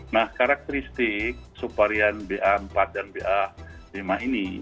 nah karakteristik subvarian ba empat dan ba lima ini